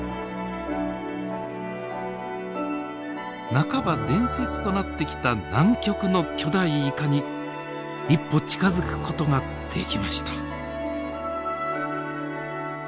半ば伝説となってきた南極の巨大イカに一歩近づく事ができました。